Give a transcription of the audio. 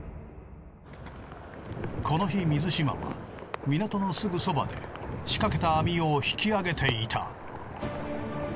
この日水嶋は港のすぐそばで仕掛けた網を引き揚げていた。